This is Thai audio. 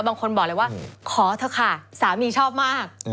บางคนบอกเลยว่าขอเถอะค่ะสามีชอบมาก